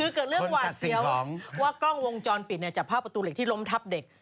เกิดเรื่องหวาดเสียวว่ากล้องวงจรปิดจับภาพประตูเหล็กที่ล้มทับเด็ก